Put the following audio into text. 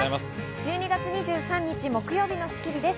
１２月２３日、木曜日の『スッキリ』です。